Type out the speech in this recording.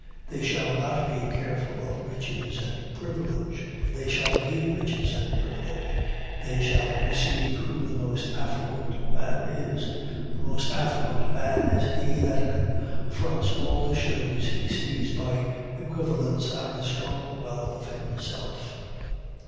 They shall not be careful of riches and privilege they shall be riches and privilege they shall perceive who the most affluent man is. The most affluent man is he that confronts all the shows he sees by equivalents out of the stronger wealth of himself.